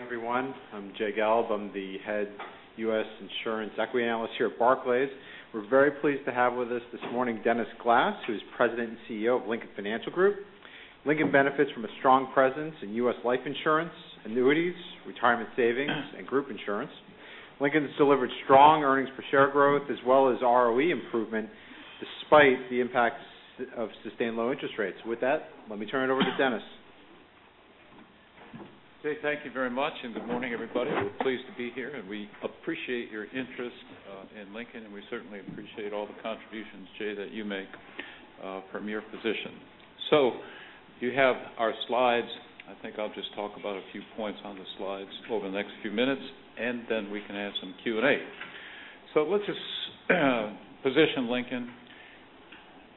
Good morning, everyone. I'm Jay Gelb. I'm the Head U.S. Insurance Equity Analyst here at Barclays. We're very pleased to have with us this morning Dennis Glass, who is President and CEO of Lincoln Financial Group. Lincoln benefits from a strong presence in U.S. life insurance, annuities, retirement savings, and group insurance. Lincoln has delivered strong earnings per share growth as well as ROE improvement despite the impact of sustained low interest rates. Let me turn it over to Dennis. Jay, thank you very much. Good morning, everybody. Pleased to be here. We appreciate your interest in Lincoln. We certainly appreciate all the contributions, Jay, that you make from your position. You have our slides. I think I'll just talk about a few points on the slides over the next few minutes. We can add some Q&A. Let's just position Lincoln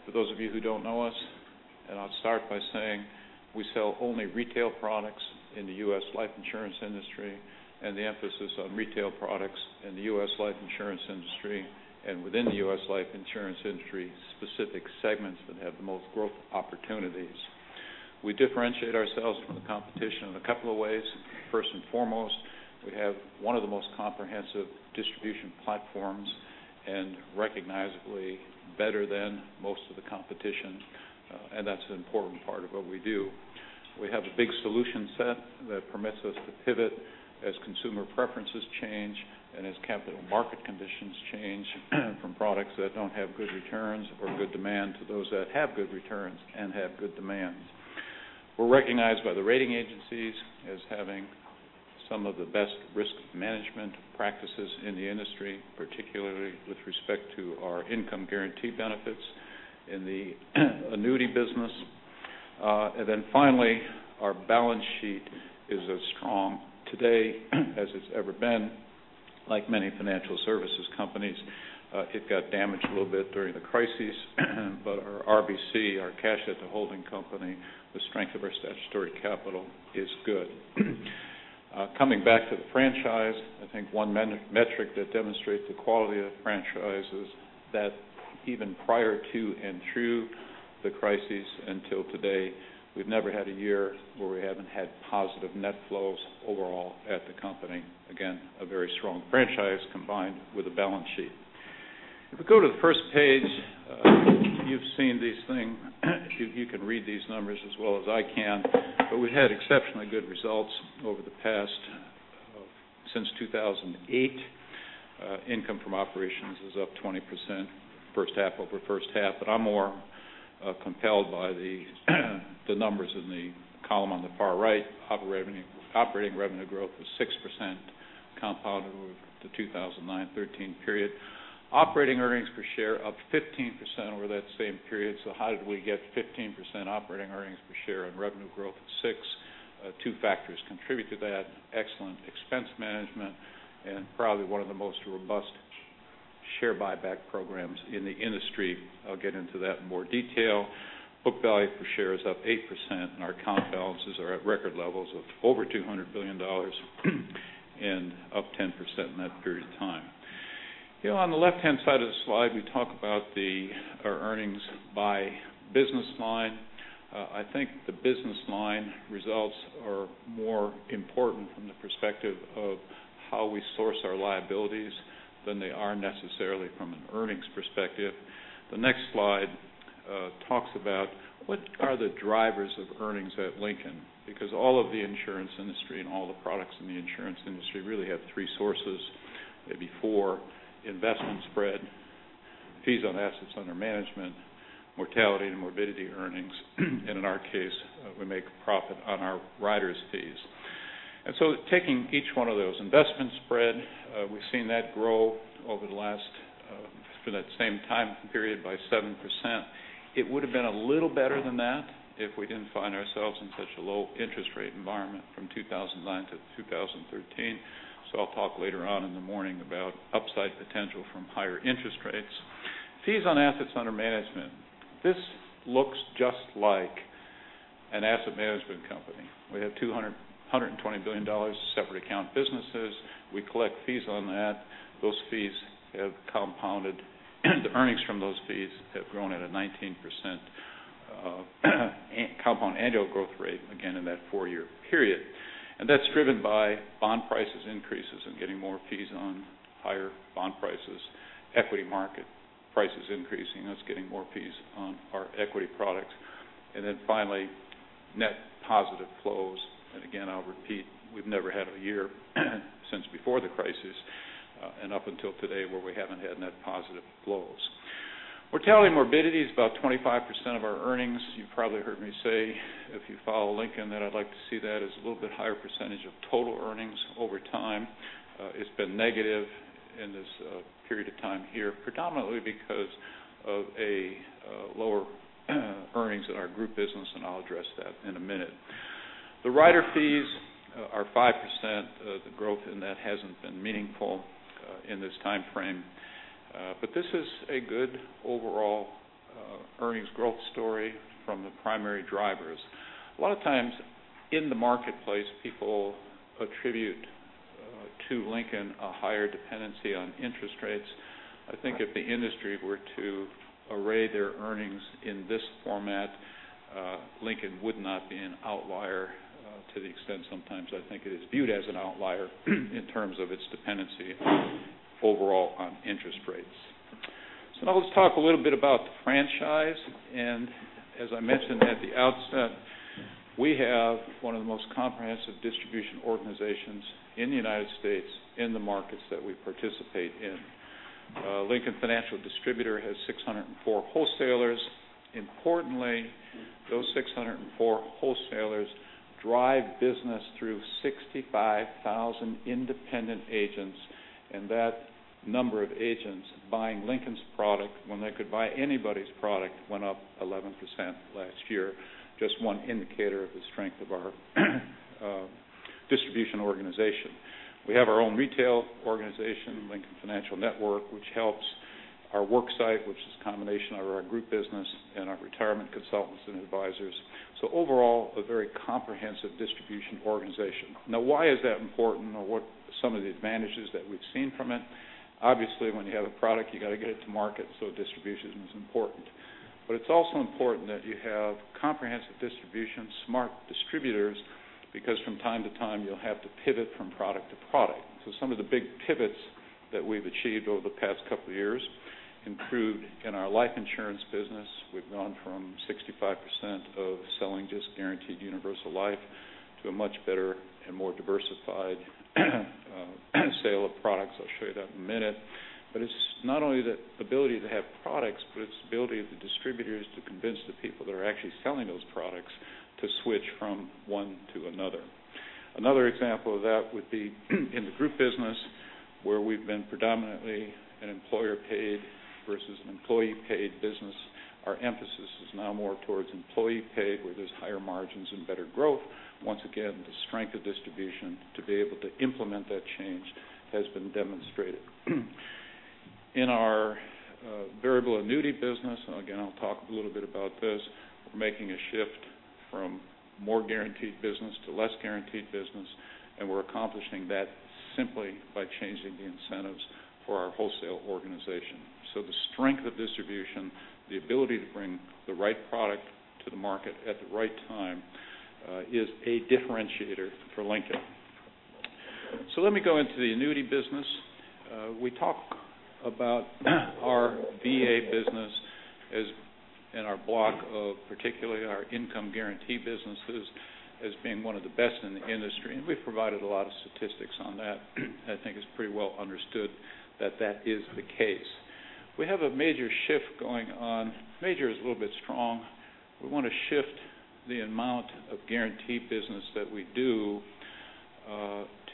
for those of you who don't know us, and I'll start by saying we sell only retail products in the U.S. life insurance industry and the emphasis on retail products in the U.S. life insurance industry and within the U.S. life insurance industry, specific segments that have the most growth opportunities. We differentiate ourselves from the competition in a couple of ways. First and foremost, we have one of the most comprehensive distribution platforms and recognizably better than most of the competition. That's an important part of what we do. We have a big solution set that permits us to pivot as consumer preferences change and as capital market conditions change from products that don't have good returns or good demand to those that have good returns and have good demand. We're recognized by the rating agencies as having some of the best risk management practices in the industry, particularly with respect to our income guarantee benefits in the annuity business. Finally, our balance sheet is as strong today as it's ever been. Like many financial services companies, it got damaged a little bit during the crisis. Our RBC, our cash at the holding company, the strength of our statutory capital is good. Coming back to the franchise, I think one metric that demonstrates the quality of the franchise is that even prior to and through the crisis until today, we've never had a year where we haven't had positive net flows overall at the company. Again, a very strong franchise combined with a balance sheet. If we go to the first page, you've seen this thing. You can read these numbers as well as I can. We had exceptionally good results over the past since 2008. Income from operations is up 20% first half over first half. I'm more compelled by the numbers in the column on the far right. Operating revenue growth was 6% compounded over the 2009, 2013 period. Operating earnings per share up 15% over that same period. How did we get 15% operating earnings per share on revenue growth at 6%? Two factors contribute to that. Excellent expense management and probably one of the most robust share buyback programs in the industry. I'll get into that in more detail. Book value per share is up 8%, and our account balances are at record levels of over $200 billion and up 10% in that period of time. On the left-hand side of the slide, we talk about our earnings by business line. I think the business line results are more important from the perspective of how we source our liabilities than they are necessarily from an earnings perspective. The next slide talks about what are the drivers of earnings at Lincoln, because all of the insurance industry and all the products in the insurance industry really have three sources. They'd be four, investment spread, fees on assets under management, mortality and morbidity earnings, and in our case, we make a profit on our riders fees. Taking each one of those investment spread, we've seen that grow over for that same time period by 7%. It would have been a little better than that if we didn't find ourselves in such a low interest rate environment from 2009 to 2013. I'll talk later on in the morning about upside potential from higher interest rates. Fees on assets under management. This looks just like an asset management company. We have $120 billion separate account businesses. We collect fees on that. Those fees have compounded. The earnings from those fees have grown at a 19% compound annual growth rate, again, in that four-year period. That's driven by bond prices increases and getting more fees on higher bond prices, equity market prices increasing. That's getting more fees on our equity products. Finally, net positive flows. Again, I'll repeat, we've never had a year since before the crisis and up until today where we haven't had net positive flows. Mortality and morbidity is about 25% of our earnings. You probably heard me say, if you follow Lincoln, that I'd like to see that as a little bit higher percentage of total earnings over time. It's been negative in this period of time here, predominantly because of lower earnings in our group business, and I'll address that in a minute. The rider fees are 5%. The growth in that hasn't been meaningful in this time frame. This is a good overall earnings growth story from the primary drivers. A lot of times in the marketplace, people attribute to Lincoln a higher dependency on interest rates. I think if the industry were to array their earnings in this format, Lincoln would not be an outlier to the extent sometimes I think it is viewed as an outlier in terms of its dependency overall on interest rates. Now let's talk a little bit about the franchise. As I mentioned at the outset, we have one of the most comprehensive distribution organizations in the United States in the markets that we participate in. Lincoln Financial Distributors has 604 wholesalers. Importantly, those 604 wholesalers drive business through 65,000 independent agents. That number of agents buying Lincoln's product when they could buy anybody's product went up 11% last year. Just one indicator of the strength of our distribution organization. We have our own retail organization, Lincoln Financial Network, which helps our worksite, which is a combination of our group business and our retirement consultants and advisors. Overall, a very comprehensive distribution organization. Why is that important or what some of the advantages that we've seen from it? Obviously, when you have a product, you got to get it to market, so distribution is important. It's also important that you have comprehensive distribution, smart distributors, because from time to time, you'll have to pivot from product to product. Some of the big pivots that we've achieved over the past couple of years include in our Life Insurance business, we've gone from 65% of selling just guaranteed universal life to a much better and more diversified sale of products. I'll show you that in a minute. It's not only the ability to have products, but it's the ability of the distributors to convince the people that are actually selling those products to switch from one to another. Another example of that would be in the group business where we've been predominantly an employer paid versus an employee paid business. Our emphasis is now more towards employee paid where there's higher margins and better growth. Once again, the strength of distribution to be able to implement that change has been demonstrated. In our variable annuity business, again, I'll talk a little bit about this. We're making a shift from more guaranteed business to less guaranteed business, and we're accomplishing that simply by changing the incentives for our wholesale organization. The strength of distribution, the ability to bring the right product to the market at the right time, is a differentiator for Lincoln. Let me go into the annuity business. We talk about our VA business as in our block of particularly our income guarantee businesses as being one of the best in the industry. We've provided a lot of statistics on that. I think it's pretty well understood that that is the case. We have a major shift going on. Major is a little bit strong. We want to shift the amount of guaranteed business that we do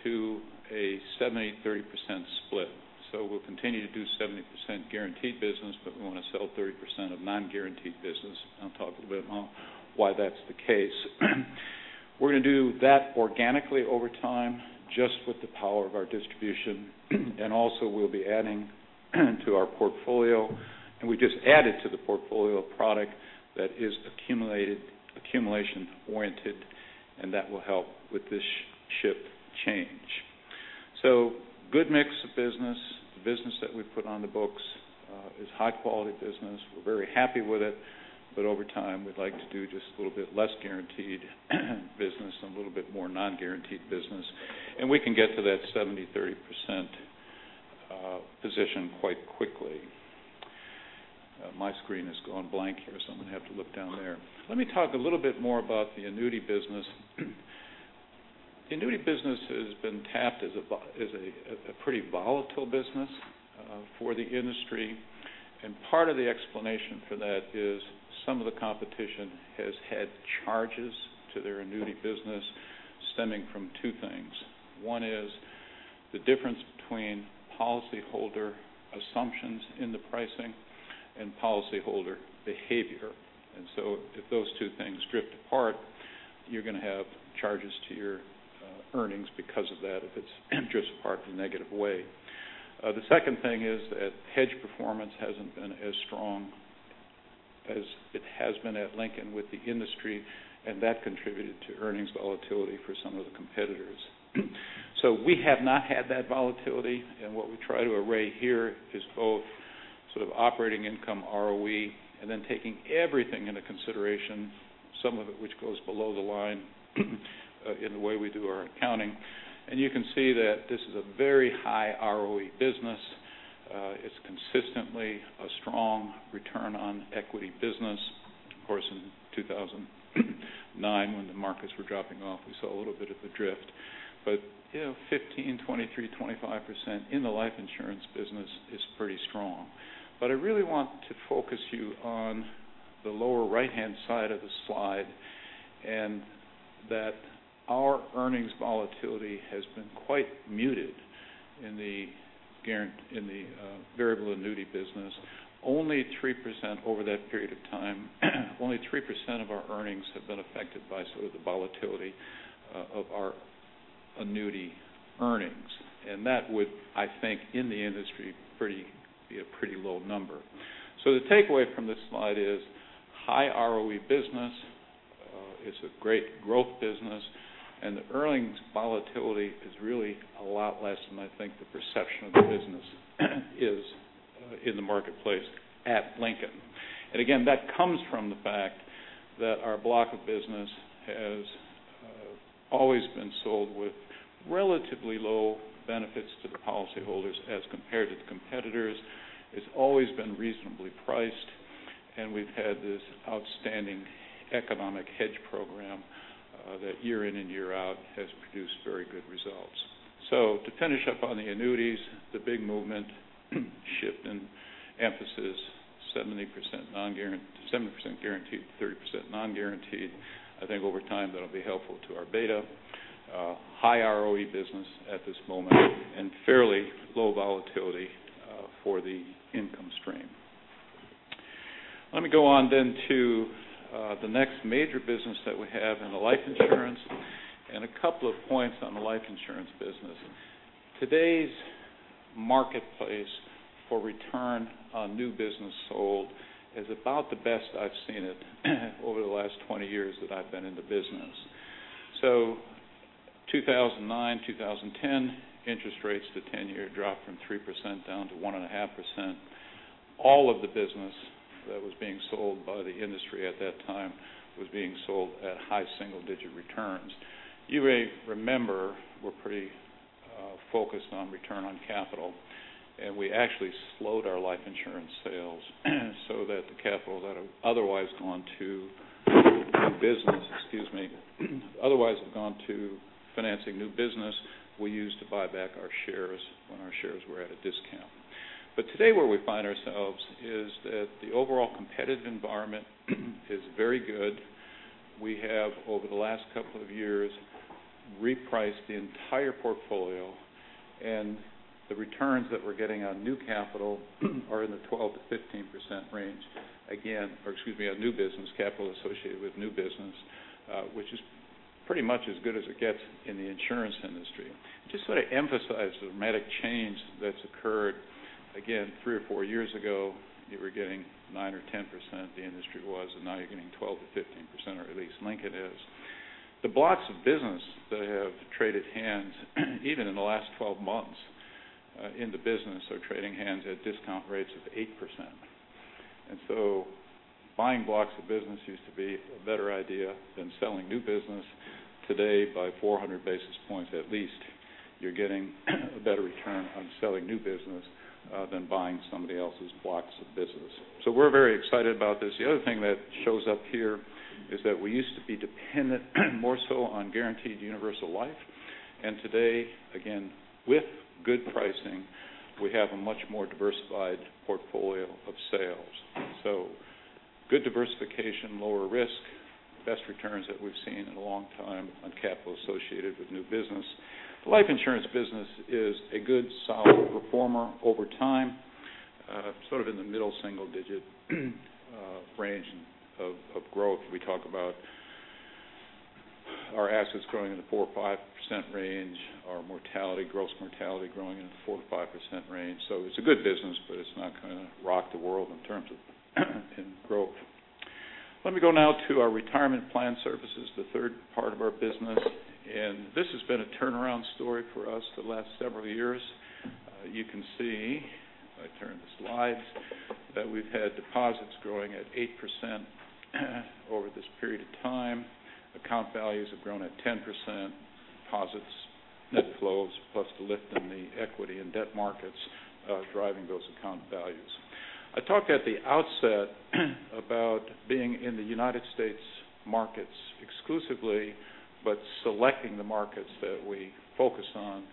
to a 70%-30% split. We'll continue to do 70% guaranteed business, but we want to sell 30% of non-guaranteed business. I'll talk a little bit more why that's the case. We're going to do that organically over time just with the power of our distribution. Also we'll be adding to our portfolio, and we just added to the portfolio a product that is accumulation oriented, and that will help with this shift change. Good mix of business. The business that we've put on the books is high quality business. We're very happy with it. Over time, we'd like to do just a little bit less guaranteed business and a little bit more non-guaranteed business. We can get to that 70%-30% position quite quickly. My screen has gone blank here, so I'm going to have to look down there. Let me talk a little bit more about the annuity business. The annuity business has been tapped as a pretty volatile business for the industry. Part of the explanation for that is some of the competition has had charges to their annuity business stemming from two things. One is the difference between policy holder assumptions in the pricing and policy holder behavior. If those two things drift apart, you're going to have charges to your earnings because of that if it's just apart in a negative way. The second thing is that hedge performance hasn't been as strong as it has been at Lincoln with the industry, and that contributed to earnings volatility for some of the competitors. We have not had that volatility. What we try to array here is both sort of operating income ROE and then taking everything into consideration, some of it which goes below the line in the way we do our accounting. You can see that this is a very high ROE business. It's consistently a strong return on equity business. Of course, in 2009 when the markets were dropping off, we saw a little bit of a drift. 15%, 23%, 25% in the life insurance business is pretty strong. I really want to focus you on the lower right-hand side of the slide and that our earnings volatility has been quite muted in the variable annuity business. Only 3% over that period of time. Only 3% of our earnings have been affected by sort of the volatility of our annuity earnings. That would, I think in the industry be a pretty low number. The takeaway from this slide is high ROE business. It's a great growth business, and the earnings volatility is really a lot less than I think the perception of the business is in the marketplace at Lincoln. Again, that comes from the fact that our block of business has always been sold with relatively low benefits to the policyholders as compared to the competitors. It's always been reasonably priced, and we've had this outstanding economic hedge program that year in and year out has produced very good results. To finish up on the Annuities, the big movement shift in emphasis, 70% guaranteed, 30% non-guaranteed. I think over time that'll be helpful to our beta high ROE business at this moment, and fairly low volatility for the income stream. Let me go on then to the next major business that we have in the life insurance, and a couple of points on the life insurance business. Today's marketplace for return on new business sold is about the best I've seen it over the last 20 years that I've been in the business. 2009, 2010, interest rates, the 10-year dropped from 3% down to 1.5%. All of the business that was being sold by the industry at that time was being sold at high single-digit returns. You may remember we're pretty focused on return on capital, and we actually slowed our life insurance sales so that the capital that have otherwise gone to new business-- Excuse me. Otherwise, have gone to financing new business we used to buy back our shares when our shares were at a discount. Today, where we find ourselves is that the overall competitive environment is very good. We have, over the last couple of years, repriced the entire portfolio, and the returns that we're getting on new capital are in the 12%-15% range. On new business, capital associated with new business, which is pretty much as good as it gets in the insurance industry. Just sort of emphasize the dramatic change that's occurred. Again, three or four years ago, you were getting 9% or 10%, the industry was, now you're getting 12%-15%, or at least Lincoln is. The blocks of business that have traded hands, even in the last 12 months in the business, are trading hands at discount rates of 8%. Buying blocks of business used to be a better idea than selling new business. Today, by 400 basis points, at least, you're getting a better return on selling new business than buying somebody else's blocks of business. We're very excited about this. The other thing that shows up here is that we used to be dependent more so on guaranteed universal life. Today, again, with good pricing, we have a much more diversified portfolio of sales. Good diversification, lower risk, best returns that we've seen in a long time on capital associated with new business. The life insurance business is a good, solid performer over time, sort of in the middle single-digit range of growth. We talk about our assets growing in the 4% or 5% range, our mortality, gross mortality growing in the 4%-5% range. It's a good business, but it's not going to rock the world in terms of in growth. Let me go now to our Retirement Plan Services, the third part of our business, and this has been a turnaround story for us the last several years. You can see, if I turn the slides, that we've had deposits growing at 8% over this period of time. Account values have grown at 10%, deposits, net flows plus the lift in the equity and debt markets, driving those account values. I talked at the outset about being in the United States markets exclusively, but selecting the markets that we focus on,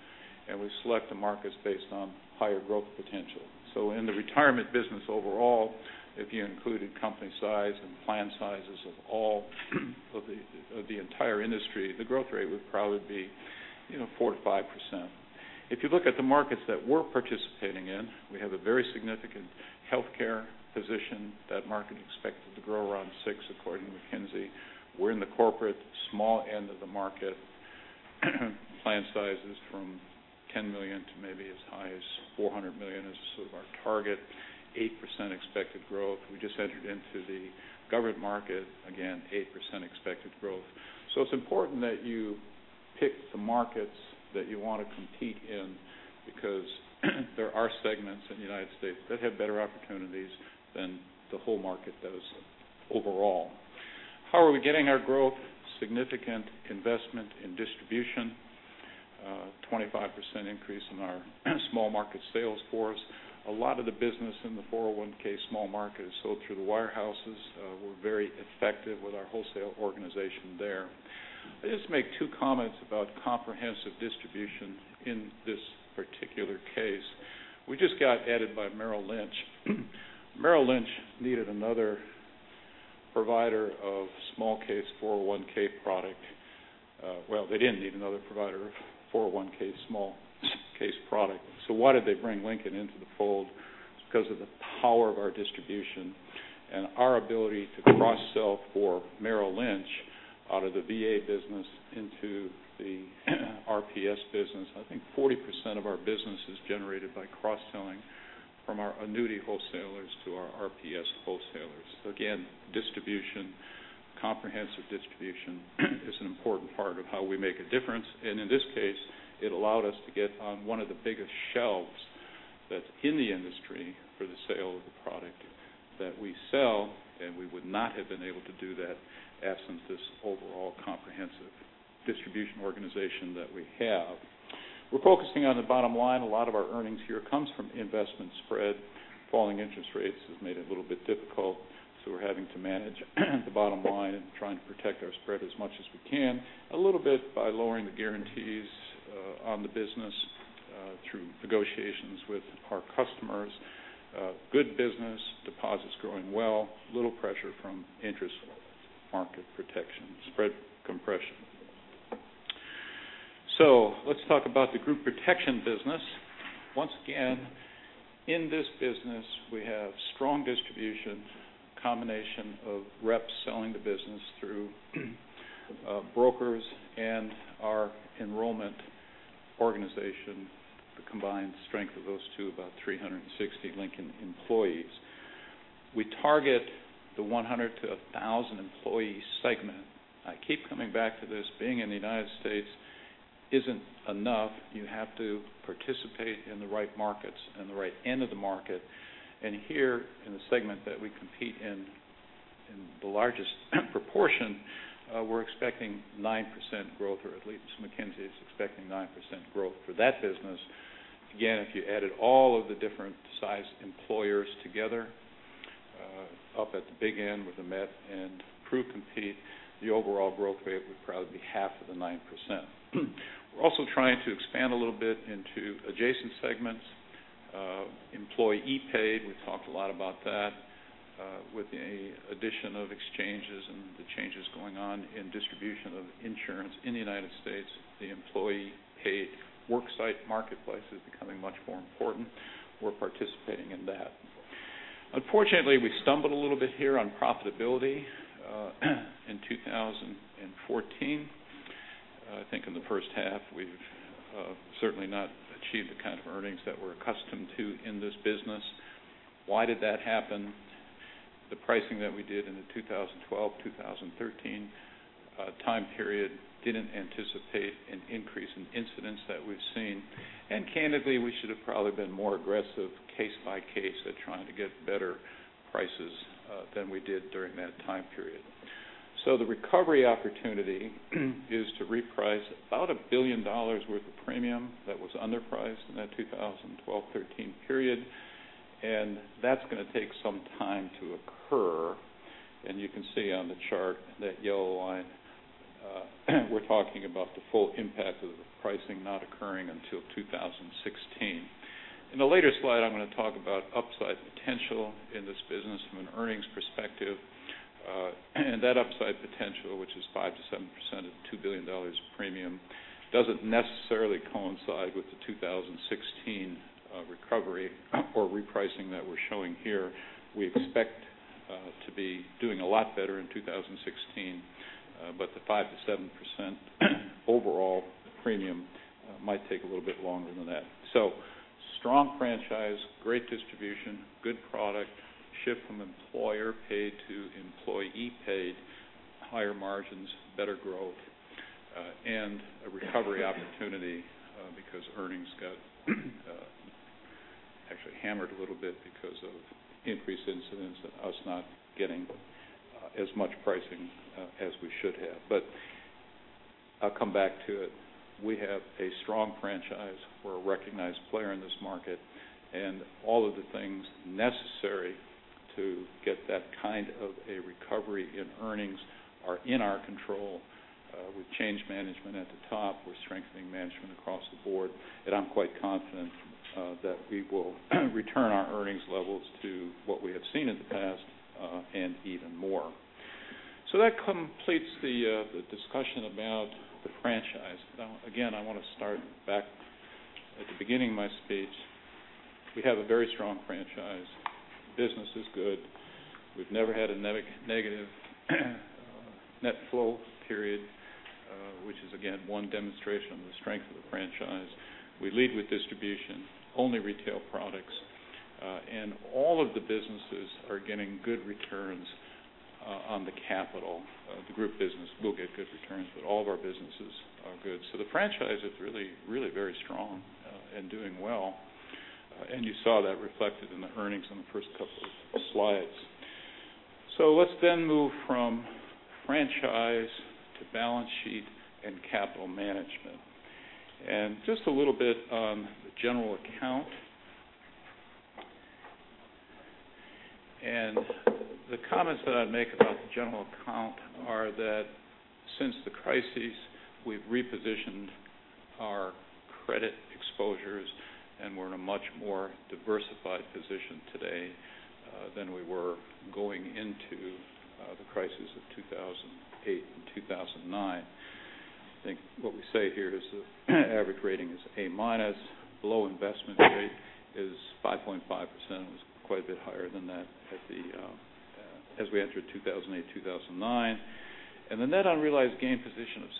and we select the markets based on higher growth potential. In the retirement business overall, if you included company size and plan sizes of the entire industry, the growth rate would probably be 4%-5%. If you look at the markets that we're participating in, we have a very significant healthcare position. That market expected to grow around 6% according to McKinsey. We're in the corporate small end of the market. Plan size is from $10 million to maybe as high as $400 million is sort of our target. 8% expected growth. We just entered into the government market. Again, 8% expected growth. It's important that you pick the markets that you want to compete in because there are segments in the United States that have better opportunities than the whole market does overall. How are we getting our growth? Significant investment in distribution, 25% increase in our small market sales force. A lot of the business in the 401 small market is sold through the wirehouses. We're very effective with our wholesale organization there. I just make two comments about comprehensive distribution in this particular case. We just got added by Merrill Lynch. Merrill Lynch needed another provider of small case 401 product. Well, they didn't need another provider of 401 small case product. Why did they bring Lincoln into the fold? It's because of the power of our distribution and our ability to cross-sell for Merrill Lynch out of the VA business into the RPS business. I think 40% of our business is generated by cross-selling from our annuity wholesalers to our RPS wholesalers. Comprehensive distribution is an important part of how we make a difference. In this case, it allowed us to get on one of the biggest shelves that's in the industry for the sale of the product that we sell. We would not have been able to do that absent this overall comprehensive distribution organization that we have. We're focusing on the bottom line. A lot of our earnings here comes from investment spread. Falling interest rates has made it a little bit difficult. We're having to manage the bottom line and trying to protect our spread as much as we can, a little bit by lowering the guarantees on the business through negotiations with our customers. Good business, deposits growing well, little pressure from interest market protection spread compression. Let's talk about the Group Protection business. In this business, we have strong distribution, combination of reps selling the business through brokers and our enrollment organization. The combined strength of those two, about 360 Lincoln employees. We target the 100 to 1,000 employee segment. I keep coming back to this. Being in the U.S. isn't enough. You have to participate in the right markets and the right end of the market. Here, in the segment that we compete in the largest proportion, we're expecting 9% growth or at least McKinsey is expecting 9% growth for that business. If you added all of the different size employers together up at the big end where The Met and Pru compete, the overall growth rate would probably be half of the 9%. We're also trying to expand a little bit into adjacent segments. Employee paid, we've talked a lot about that. With the addition of exchanges and the changes going on in distribution of insurance in the U.S., the employee paid worksite marketplace is becoming much more important. We're participating in that. Unfortunately, we stumbled a little bit here on profitability in 2014. I think in the first half we've certainly not achieved the kind of earnings that we're accustomed to in this business. Why did that happen? The pricing that we did in the 2012-2013 time period didn't anticipate an increase in incidents that we've seen. Candidly, we should have probably been more aggressive case by case at trying to get better prices than we did during that time period. The recovery opportunity is to reprice about $1 billion worth of premium that was underpriced in that 2012-13 period. That's going to take some time to occur. You can see on the chart, that yellow line, we're talking about the full impact of the pricing not occurring until 2016. In a later slide, I'm going to talk about upside potential in this business from an earnings perspective. That upside potential, which is 5%-7% of $2 billion of premium, doesn't necessarily coincide with the 2016 recovery or repricing that we're showing here. We expect to be doing a lot better in 2016. The 5%-7% overall premium might take a little bit longer than that. Strong franchise, great distribution, good product, shift from employer paid to employee paid, higher margins, better growth, and a recovery opportunity because earnings got actually hammered a little bit because of increased incidents and us not getting as much pricing as we should have. I'll come back to it. We have a strong franchise. We're a recognized player in this market. All of the things necessary to get that kind of a recovery in earnings are in our control. We've changed management at the top. We're strengthening management across the board. I'm quite confident that we will return our earnings levels to what we have seen in the past and even more. That completes the discussion about the franchise. Again, I want to start back at the beginning of my speech. We have a very strong franchise. Business is good. We've never had a negative net flow period, which is, again, one demonstration of the strength of the franchise. We lead with distribution, only retail products. All of the businesses are getting good returns on the capital. The group business will get good returns, but all of our businesses are good. The franchise is really very strong and doing well. You saw that reflected in the earnings on the first couple of slides. Let's move from franchise to balance sheet and capital management. Just a little bit on the general account. The comments that I'd make about the general account are that since the crisis, we've repositioned our credit exposures and we're in a much more diversified position today than we were going into the crisis of 2008 and 2009. I think what we say here is the average rating is A minus. Below investment grade is 5.5%, and it was quite a bit higher than that as we enter 2008, 2009. The net unrealized gain position of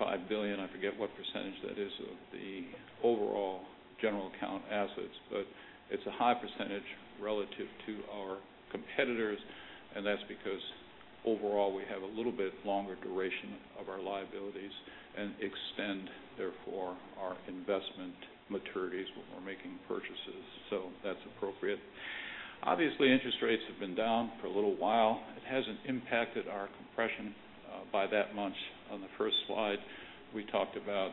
$7.5 billion, I forget what percentage that is of the overall general account assets, but it's a high percentage relative to our competitors, and that's because overall we have a little bit longer duration of our liabilities and extend, therefore, our investment maturities when we're making purchases. That's appropriate. Obviously, interest rates have been down for a little while. It hasn't impacted our compression by that much. On the first slide, we talked about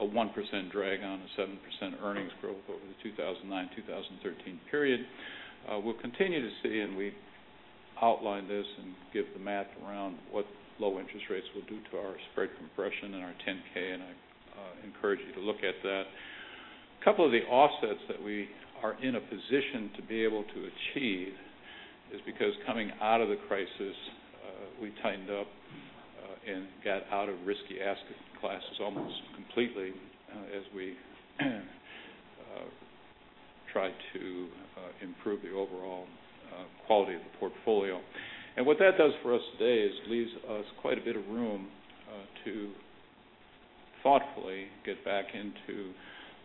a 1% drag on a 7% earnings growth over the 2009-2013 period. We'll continue to see, and we outline this and give the math around what low interest rates will do to our spread compression in our 10-K, and I encourage you to look at that. A couple of the offsets that we are in a position to be able to achieve is because coming out of the crisis, we tightened up and got out of risky asset classes almost completely as we tried to improve the overall quality of the portfolio. What that does for us today is leaves us quite a bit of room to thoughtfully get back into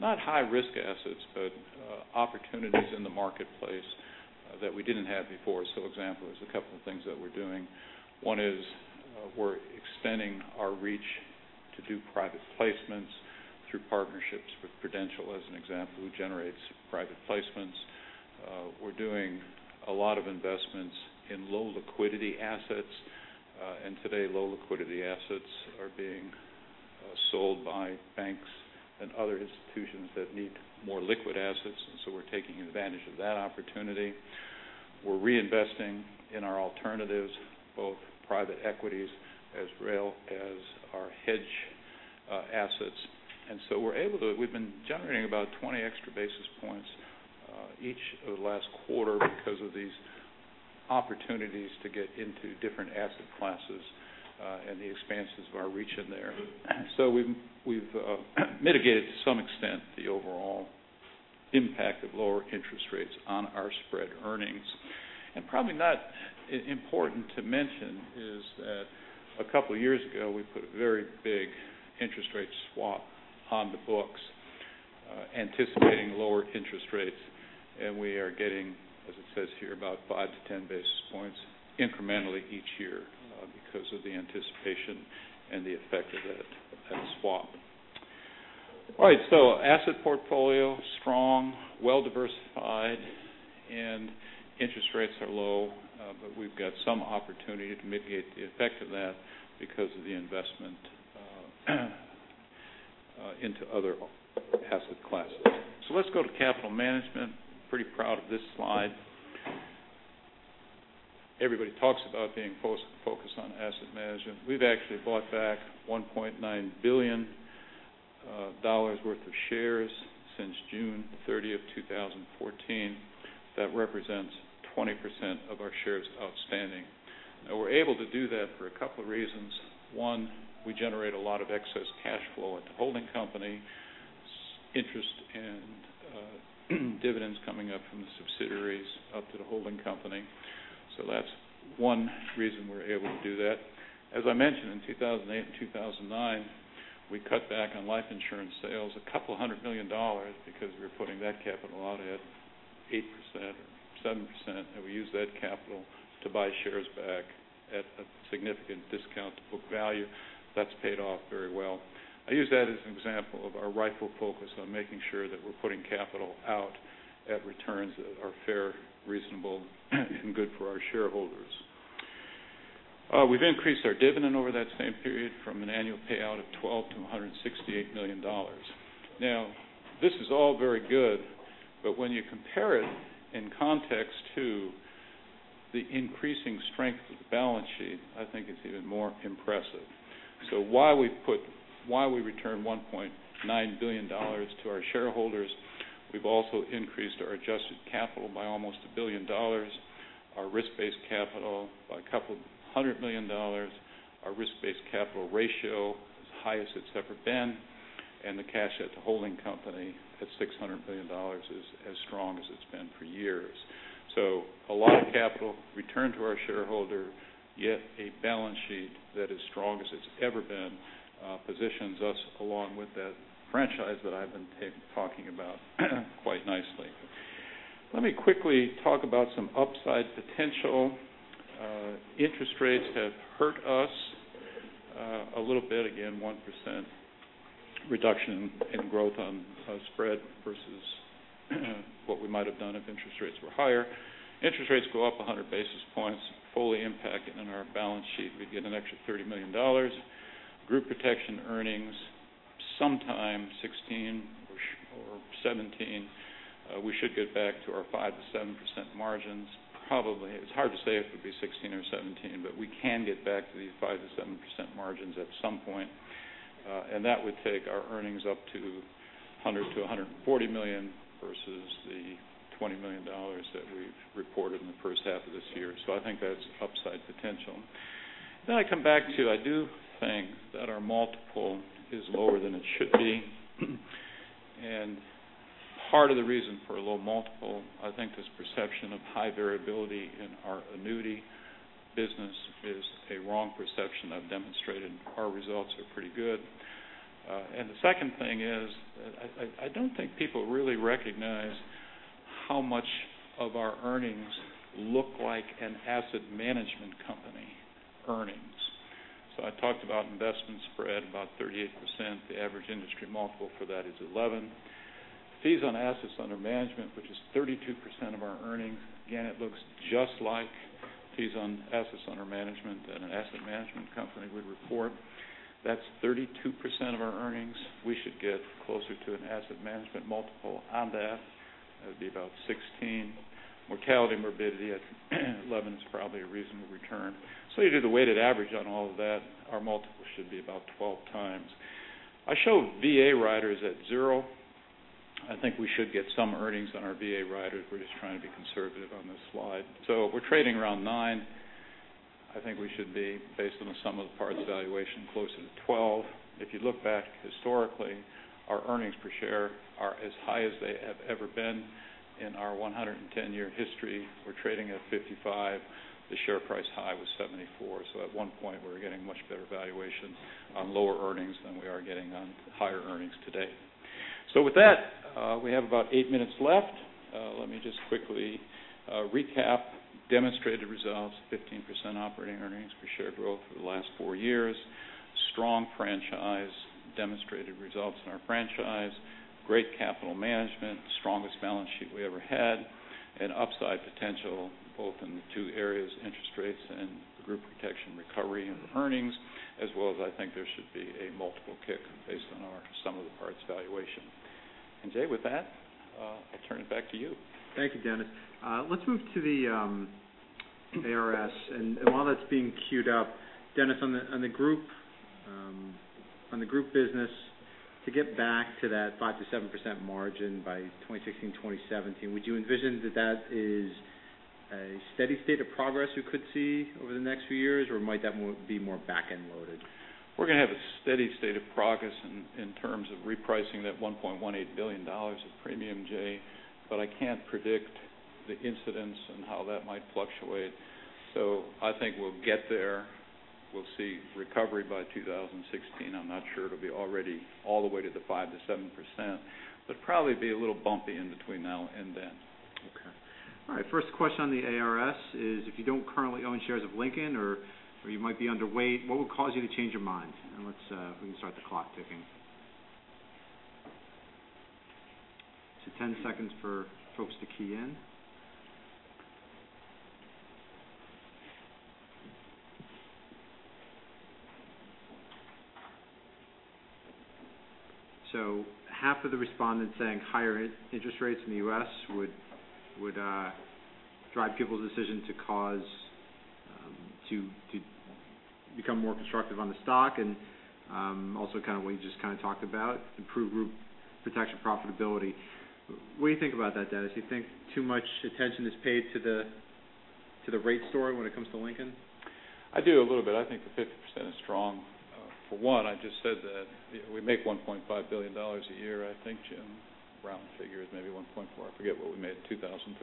not high risk assets, but opportunities in the marketplace that we didn't have before. Example is a couple of things that we're doing. We're extending our reach to do private placements through partnerships with Prudential, as an example, who generates private placements. We're doing a lot of investments in low liquidity assets. Today, low liquidity assets are being sold by banks and other institutions that need more liquid assets. We're taking advantage of that opportunity. We're reinvesting in our alternatives, both private equities as well as our hedge assets. We've been generating about 20 extra basis points each last quarter because of these opportunities to get into different asset classes and the expanses of our reach in there. We've mitigated to some extent, the overall impact of lower interest rates on our spread earnings. Probably not important to mention is that a couple of years ago, we put a very big interest rate swap on the books anticipating lower interest rates. We are getting, as it says here, about 5 to 10 basis points incrementally each year because of the anticipation and the effect of that swap. All right. Asset portfolio, strong, well diversified, and interest rates are low. We've got some opportunity to mitigate the effect of that because of the investment into other asset classes. Let's go to capital management. Pretty proud of this slide. Everybody talks about being focused on asset management. We've actually bought back $1.9 billion worth of shares since June 30th, 2014. That represents 20% of our shares outstanding. Now we're able to do that for a couple of reasons. One, we generate a lot of excess cash flow at the holding company. Interest and dividends coming up from the subsidiaries up to the holding company. That's one reason we're able to do that. As I mentioned, in 2008 and 2009, we cut back on life insurance sales a couple of hundred million dollars because we were putting that capital out at 8% or 7%, and we used that capital to buy shares back at a significant discount to book value. That's paid off very well. I use that as an example of our rightful focus on making sure that we're putting capital out at returns that are fair, reasonable, and good for our shareholders. We've increased our dividend over that same period from an annual payout of $12 to $168 million. Now, this is all very good, when you compare it in context to the increasing strength of the balance sheet, I think it's even more impressive. While we return $1.9 billion to our shareholders, we've also increased our adjusted capital by almost a billion dollars, our risk-based capital by a couple hundred million dollars. Our risk-based capital ratio is highest it's ever been. The cash at the holding company at $600 million is as strong as it's been for years. A lot of capital returned to our shareholder, yet a balance sheet that is strong as it's ever been positions us along with that franchise that I've been talking about quite nicely. Let me quickly talk about some upside potential. Interest rates have hurt us a little bit. Again, 1% reduction in growth on spread versus what we might have done if interest rates were higher. Interest rates go up 100 basis points, fully impacted on our balance sheet, we'd get an extra $30 million. Group Protection earnings, sometime 2016 or 2017, we should get back to our 5%-7% margins probably. It is hard to say if it would be 2016 or 2017, but we can get back to the 5%-7% margins at some point. That would take our earnings up to $100 million-$140 million versus the $20 million that we have reported in the first half of this year. I think that is upside potential. I come back to, I do think that our multiple is lower than it should be. Part of the reason for a low multiple, I think this perception of high variability in our Annuity business is a wrong perception. I have demonstrated our results are pretty good. The second thing is, I do not think people really recognize how much of our earnings look like an asset management company earnings. I talked about investment spread about 38%. The average industry multiple for that is 11. Fees on assets under management, which is 32% of our earnings. Again, it looks just like fees on assets under management that an asset management company would report. That is 32% of our earnings. We should get closer to an asset management multiple on that. That would be about 16. Mortality, morbidity at 11 is probably a reasonable return. You do the weighted average on all of that. Our multiple should be about 12 times. I showed VA riders at zero. I think we should get some earnings on our VA riders. We are just trying to be conservative on this slide. We are trading around 9. I think we should be based on the sum-of-the-parts valuation closer to 12. If you look back historically, our earnings per share are as high as they have ever been in our 110-year history. We are trading at $55. The share price high was $74. At one point, we were getting much better valuation on lower earnings than we are getting on higher earnings today. With that, we have about eight minutes left. Let me just quickly recap. Demonstrated results, 15% operating earnings per share growth over the last four years. Strong franchise, demonstrated results in our franchise, great capital management, strongest balance sheet we ever had, and upside potential both in the two areas, interest rates and Group Protection recovery and earnings, as well as I think there should be a multiple kick based on our sum-of-the-parts valuation. Jay, with that, I will turn it back to you. Thank you, Dennis. Let us move to the ARS, and while that is being cued up, Dennis, on the group business, to get back to that 5%-7% margin by 2016, 2017, would you envision that is a steady state of progress you could see over the next few years or might that be more back-end loaded? We're going to have a steady state of progress in terms of repricing that $1.18 billion of premium, Jay, I can't predict the incidence and how that might fluctuate. I think we'll get there. We'll see recovery by 2016. I'm not sure it'll be already all the way to the 5%-7%, probably be a little bumpy in between now and then. Okay. All right. First question on the ARS is if you don't currently own shares of Lincoln or you might be underweight, what would cause you to change your mind? We can start the clock ticking. 10 seconds for folks to key in. Half of the respondents saying higher interest rates in the U.S. would drive people's decision to become more constructive on the stock and also what you just talked about, improved Group Protection profitability. What do you think about that, Dennis? You think too much attention is paid to the rate story when it comes to Lincoln? I do a little bit. I think the 50% is strong. For one, I just said that we make $1.5 billion a year. I think Jim Brown figure is maybe $1.4 billion. I forget what we made in 2013.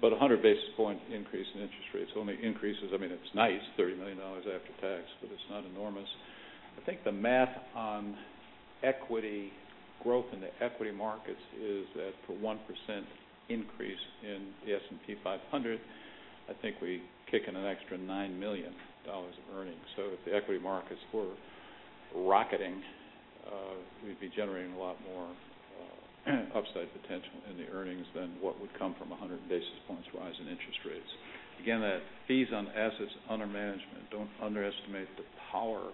100 basis point increase in interest rates only increases, I mean, it's nice, $30 million after tax, it's not enormous. I think the math on equity growth in the equity markets is that for 1% increase in the S&P 500, I think we kick in an extra $9 million of earnings. If the equity markets were rocketing, we'd be generating a lot more upside potential in the earnings than what would come from 100 basis points rise in interest rates. Again, that fees on assets under management, don't underestimate the power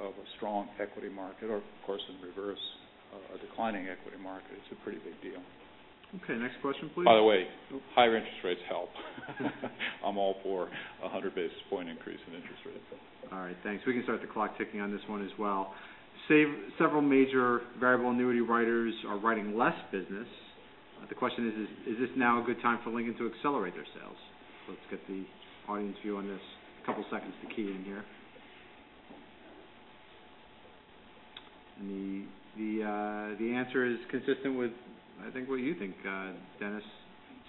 of a strong equity market or, of course, in reverse, a declining equity market. It's a pretty big deal. Okay, next question please. Higher interest rates help. I'm all for 100 basis point increase in interest rates. All right, thanks. We can start the clock ticking on this one as well. Several major variable annuity writers are writing less business. The question is: Is this now a good time for Lincoln to accelerate their sales? Let's get the audience view on this. A couple seconds to key in here. The answer is consistent with I think what you think, Dennis.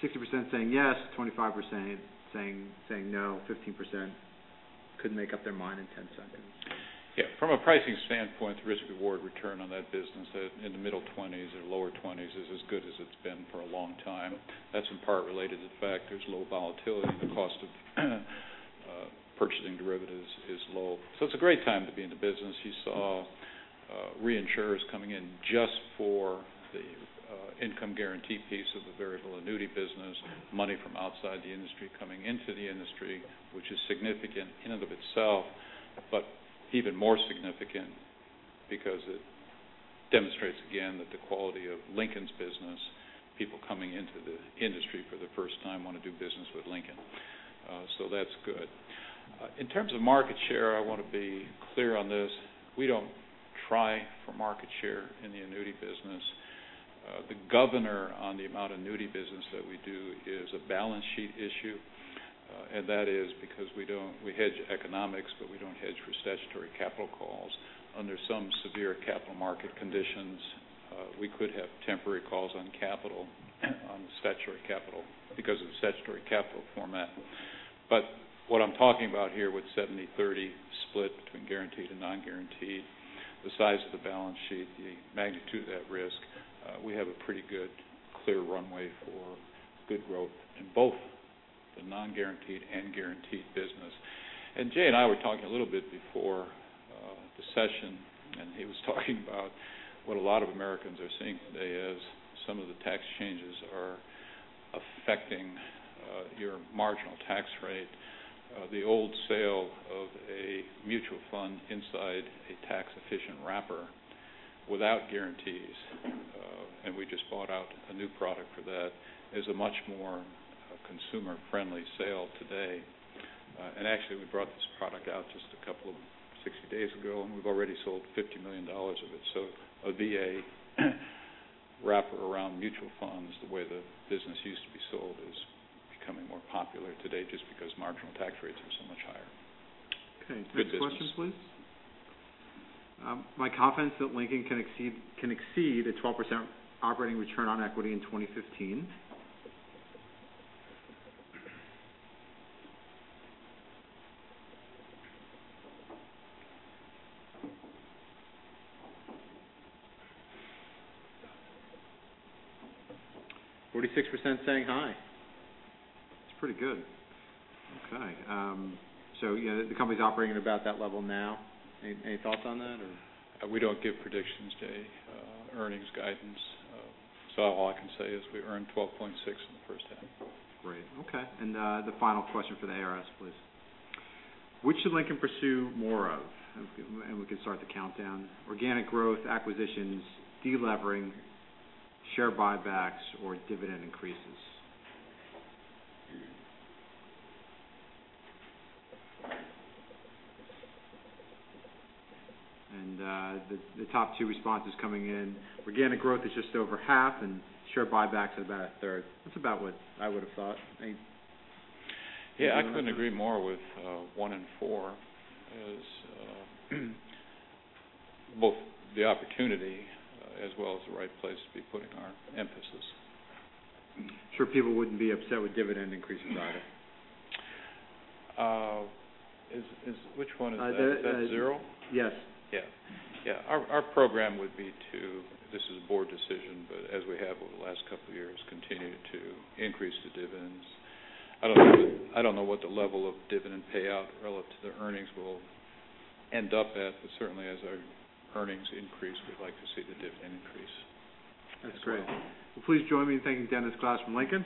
60% saying yes, 25% saying no, 15% couldn't make up their mind in 10 seconds. Yeah. From a pricing standpoint, the risk/reward return on that business in the middle 20s or lower 20s is as good as it's been for a long time. That's in part related to the fact there's low volatility and the cost of purchasing derivatives is low. It's a great time to be in the business. You saw reinsurers coming in just for the income guarantee piece of the variable annuity business, money from outside the industry coming into the industry, which is significant in and of itself, but even more significant because it demonstrates again that the quality of Lincoln's business, people coming into the industry for the first time want to do business with Lincoln. That's good. In terms of market share, I want to be clear on this. We don't try for market share in the annuity business. The governor on the amount of annuity business that we do is a balance sheet issue. That is because we hedge economics, but we don't hedge for statutory capital calls. Under some severe capital market conditions, we could have temporary calls on the statutory capital because of the statutory capital format. What I'm talking about here with 70-30 split between guaranteed and non-guaranteed, the size of the balance sheet, the magnitude of that risk, we have a pretty good clear runway for good growth in both the non-guaranteed and guaranteed business. Jay and I were talking a little bit before the session, and he was talking about what a lot of Americans are seeing today as some of the tax changes are affecting your marginal tax rate. The old sale of a mutual fund inside a tax-efficient wrapper without guarantees, and we just brought out a new product for that, is a much more consumer-friendly sale today. Actually, we brought this product out just 60 days ago, and we've already sold $50 million of it. A VA wrapper around mutual funds, the way the business used to be sold, is becoming more popular today just because marginal tax rates are so much higher. Good business. Okay. Next question, please. My confidence that Lincoln can exceed a 12% operating return on equity in 2015. 46% saying hi. That's pretty good. Okay. Yeah, the company's operating at about that level now. Any thoughts on that? We don't give predictions to earnings guidance. All I can say is we earned 12.6 in the first half. Great. Okay. The final question for the ARS, please. Which should Lincoln pursue more of? We can start the countdown. Organic growth, acquisitions, de-levering, share buybacks, or dividend increases. The top two responses coming in. Organic growth is just over half, and share buybacks is about a third. That's about what I would have thought. Yeah, I couldn't agree more with one in four as both the opportunity as well as the right place to be putting our emphasis. I'm sure people wouldn't be upset with dividend increase either. Which one is that? Is that zero? Yes. Yeah. Our program would be to, this is a board decision, but as we have over the last couple of years, continue to increase the dividends. I don't know what the level of dividend payout relative to the earnings will end up at, but certainly as our earnings increase, we'd like to see the dividend increase as well. That's great. Well, please join me in thanking Dennis Glass from Lincoln.